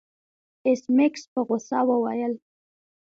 ایس میکس په غوسه وویل